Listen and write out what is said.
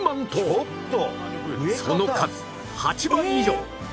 その数８倍以上